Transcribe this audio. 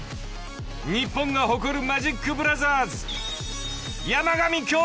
［日本が誇るマジックブラザーズ］